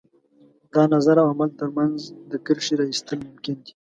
د نظر او عمل تر منځ د کرښې را ایستل ممکن دي.